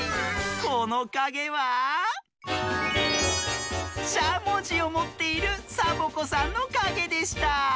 このかげはしゃもじをもっているサボ子さんのかげでした。